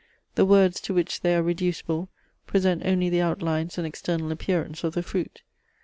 The words to which they are reducible, present only the outlines and external appearance of the fruit.